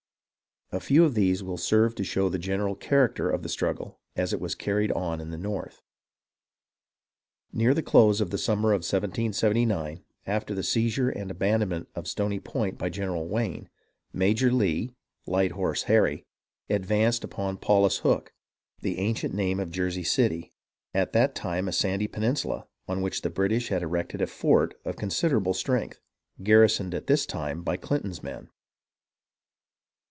A few of these will serve to show the general character of the struggle as it was carried on in the north. Near the close of the summer of 1779, after the seizure and abandonment of Stony Point by General Wayne, Major Lee (" Light Horse Harry ") advanced upon Paulus Hook, the ancient name of Jersey City, at that time a sandy pen insula on which the British had erected a fort of consider able strength, garrisoned at this time by Clinton's men.